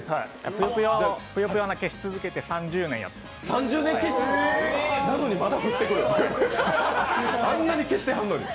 ぷよぷよを消し続けて３０年やってます。